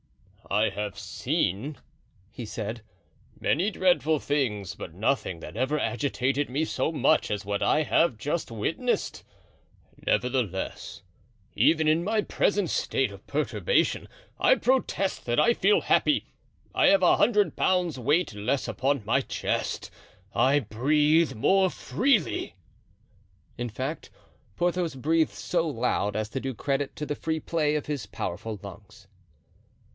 "I have seen," he said, "many dreadful things, but nothing that ever agitated me so much as what I have just witnessed. Nevertheless, even in my present state of perturbation, I protest that I feel happy. I have a hundred pounds' weight less upon my chest. I breathe more freely." In fact, Porthos breathed so loud as to do credit to the free play of his powerful lungs.